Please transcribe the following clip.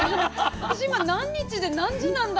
私今何日で何時なんだろうって。